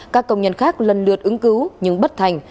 các công nhân khác lần lượt ứng cứu nhưng bất thành